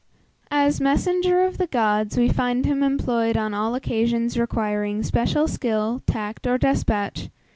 As messenger of the gods, we find him employed on all occasions requiring special skill, tact, or despatch.